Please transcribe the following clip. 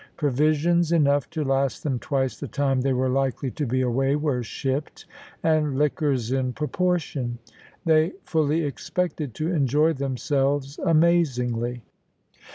Provisions enough to last them twice the time they were likely to be away were shipped, and liquors in proportion. They fully expected to enjoy themselves amazingly.